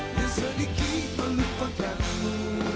yang sedikit melupakanmu